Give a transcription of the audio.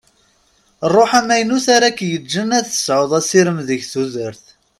Rruḥ amaynut ara k-yeǧǧen ad tesɛuḍ asirem deg tudert.